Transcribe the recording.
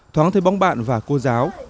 thoáng thấy bóng bạn và cô giáo